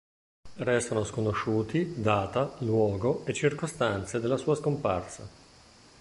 Restano sconosciuti data, luogo e circostanze della sua scomparsa.